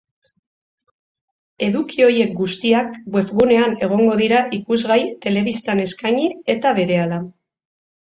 Eduki horiek guztiak webgunean egongo dira ikusgai telebistan eskaini eta berehala.